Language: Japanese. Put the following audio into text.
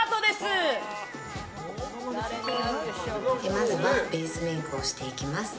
まずは、ベースメイクをしていきます。